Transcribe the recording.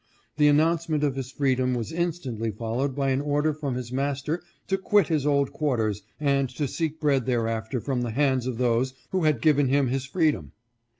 The announcement of his freedom was instantly followed by an order from his master to quit his old quarters, and to seek bread thereafter from the hands of those who had given him his freedom.